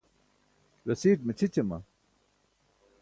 rasiit maćʰićama?